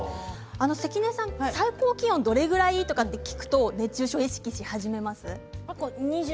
関根さん、最高気温どれぐらいと聞くと熱中症を意識しますか？